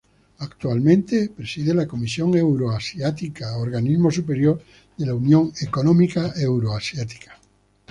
Actualmente preside la Comisión Euroasiática, organismo superior de la Unión Económica Euroasiática.